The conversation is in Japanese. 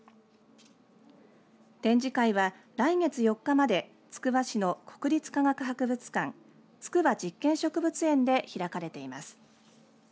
展示会は来月４日までつくば市の国立科学博物館筑波実験植物園で開かれています。